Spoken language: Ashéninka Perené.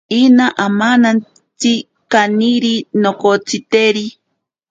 Ina amanantsi kaniri nokotsiteri.